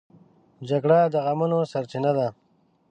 جګړه د غمونو سرچینه ده